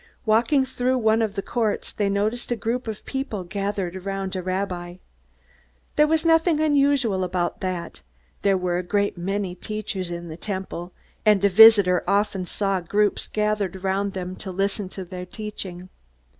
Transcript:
Walking through one of the courts, they noticed a group of people gathered around a rabbi. There was nothing unusual about that. There were a great many teachers in the Temple, and a visitor often saw groups gathered around them to listen to their teaching.